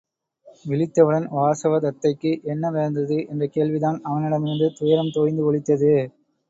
விழித்தவுடன், வாசவ தத்தைக்கு என்ன நேர்ந்தது? என்ற கேள்விதான் அவனிடமிருந்து துயரம் தோய்ந்து ஒலித்தது.